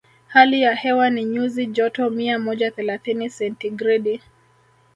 Hali ya hewa ni nyuzi joto mia moja thelathini sentigredi